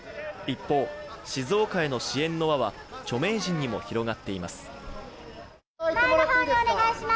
一方、静岡への支援の輪は著名人にも広がっています。